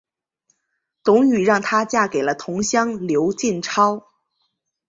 董瑀让她嫁给了同乡刘进超。